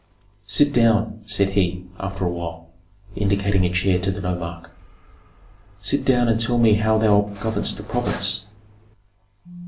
"Sit down," said he, after a while, indicating a chair to the nomarch. "Sit down and tell me how thou governest the province."